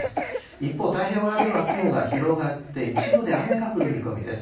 一方、太平洋側では雲が広がって、一部で雨が降る見込みです。